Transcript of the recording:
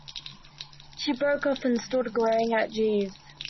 She broke off, and stood glaring at Jeeves.